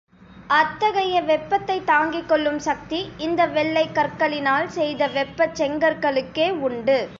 அத்தகைய வெப்பத்தைத் தாங்கிக் கொள்ளும் சக்தி இந்த வெள்ளைக் கற்களினால் செய்த வெப்பச் செங்கற்க ளுக்கே உண்டு.